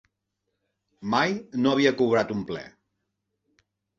Mai no havia cobrat un ple.